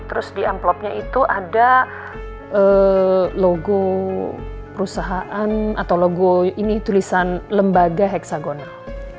terus di amplopnya itu ada logo perusahaan atau logo ini tulisan lembaga heksagonal